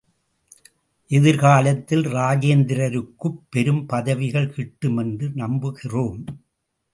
எதிர்காலத்தில் இராஜேந்திரருக்குப் பெரும் பதவிகள் கிட்டும் என்று நம்புகிறோம்.